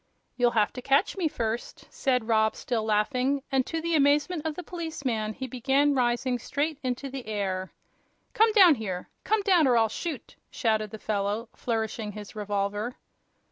"You'll have to catch me first," said Rob, still laughing, and to the amazement of the policeman he began rising straight into the air. "Come down here! Come down, or I'll shoot!" shouted the fellow, flourishing his revolver.